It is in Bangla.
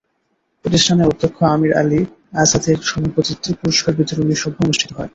প্রতিষ্ঠানে অধ্যক্ষ আমির আলী আজাদের সভাপতিত্বে পুরস্কার বিতরণী সভা অনুষ্ঠিত হয়।